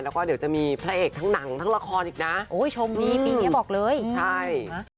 แล้วก็เดี๋ยวจะมีพระเอกทั้งหนังทั้งละครอีกนะโอ้ยชมดีปีนี้บอกเลยใช่